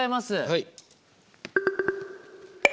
はい。